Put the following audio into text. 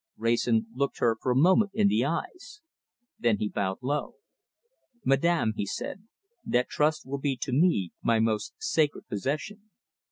Wrayson looked her for a moment in the eyes. Then he bowed low. "Madame," he said, "that trust will be to me my most sacred possession."